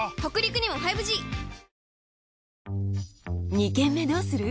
「二軒目どうする？」